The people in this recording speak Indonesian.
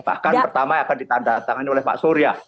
bahkan pertama akan ditanda tangani oleh pak surya